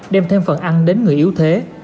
đem thêm phần ăn đến người yếu thế